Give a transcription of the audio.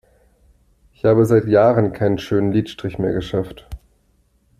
Ich hab seit Jahren keinen schönen Lidstrich mehr geschafft.